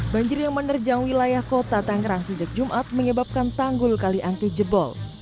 banjir yang menerjang wilayah kota tangerang sejak jumat menyebabkan tanggul kali angke jebol